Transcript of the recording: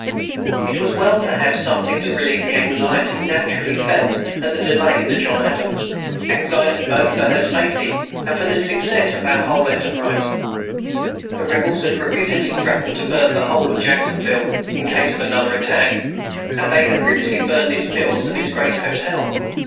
It was well to have something to relieve the anxiety naturally felt at the delay of the John Adams, anxiety both for her safety and for the success of our enterprise, The Rebels had repeatedly threatened to burn the whole of Jacksonville, in case of another attack, as they had previously burned its mills and its great hotel.